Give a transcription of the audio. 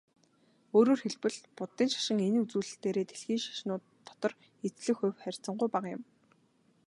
Өөрөөр хэлбэл, буддын шашин энэ үзүүлэлтээрээ дэлхийн шашнууд дотор эзлэх хувь харьцангуй бага юм.